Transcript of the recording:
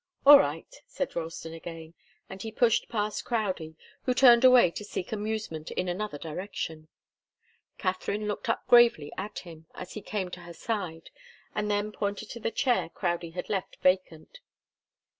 "All right," said Ralston again, and he pushed past Crowdie, who turned away to seek amusement in another direction. Katharine looked up gravely at him as he came to her side, and then pointed to the chair Crowdie had left vacant.